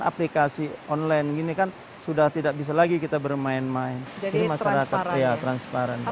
aplikasi online gini kan sudah tidak bisa lagi kita bermain main jadi masyarakat ya transparan